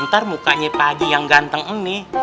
ntar mukanya pak ji yang ganteng ini